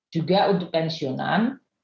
juga untuk pensiunan